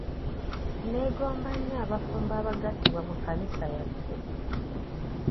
Neegomba nnyo abafumbo abagattibwa mu kkanisa yaffe.